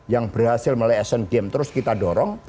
yang berhasil melalui action game terus kita dorong